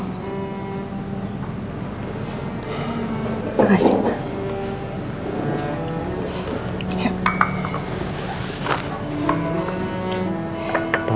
terima kasih pak